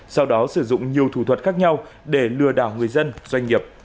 sau đó sử dụng nhiều thủ thuật khác nhau để lừa đảo người dân doanh nghiệp